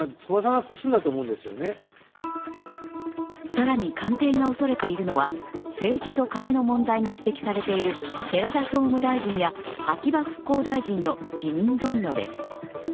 更に官邸が恐れているのは政治とカネの問題が指摘されている寺田総務大臣や秋葉復興大臣の辞任ドミノです。